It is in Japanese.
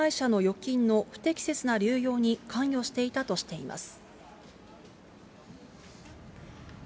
グループ会社の預金の不適切な流用に関与していたとしています。